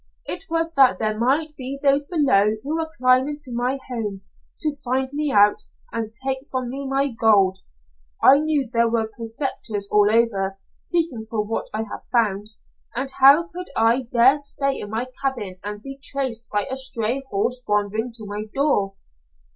It was that there might be those below who were climbing to my home to find me out and take from me my gold. I knew there were prospectors all over, seeking for what I had found, and how could I dare stay in my cabin and be traced by a stray horse wandering to my door?